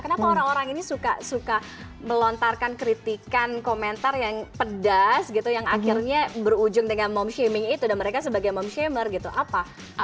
kenapa orang orang ini suka suka melontarkan kritikan komentar yang pedas gitu yang akhirnya berujung dengan mom shaming itu dan mereka sebagai mom shamer gitu apa